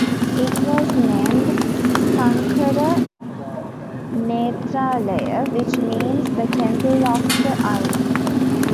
It was named Sankara Nethralaya, which means "The Temple of the Eye".